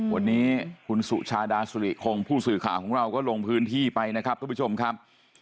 วันนี้คุณสุชาดาสุริคงผู้สื่อข่าวของเราก็ลงพื้นที่ไปนะครับทุกผู้ชมครับ